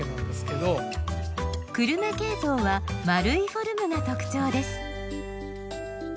久留米ケイトウは丸いフォルムが特徴です。